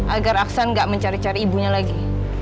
agar aksan gak mencari cari ibunya lagi